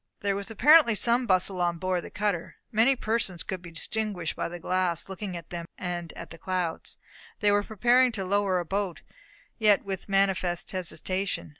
There was apparently some bustle on board the cutter. Many persons could be distinguished by the glass looking at them and at the clouds. They were preparing to lower a boat, yet with manifest hesitation.